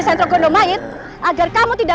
sentro gondom mait agar kamu tidak